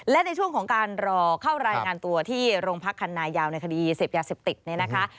แล้วในช่วงของการรอเข้ารายงานตัวที่โรงพักคันนายาวเห็นคดีเสพยาเสพติด